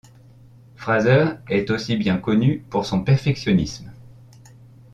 Fraser est aussi bien connue pour son perfectionnisme.